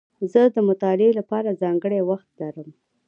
زه د مطالعې له پاره ځانګړی وخت لرم.